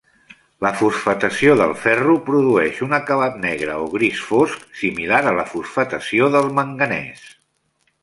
La fosfatació del ferro produeix un acabat negre o gris fosc similar a la fosfatació del manganès.